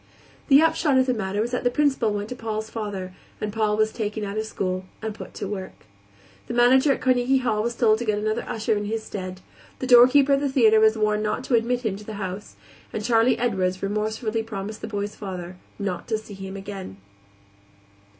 The upshot of the matter was that the Principal went to Paul's father, and Paul was taken out of school and put to work. The manager at Carnegie Hall was told to get another usher in his stead; the doorkeeper at the theater was warned not to admit him to the house; and Charley Edwards remorsefully promised the boy's father not to see him again.